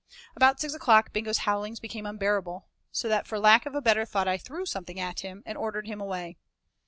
About six o'clock Bingo's howlings became unbearable, so that for lack of a better thought I threw something at him, and ordered him away.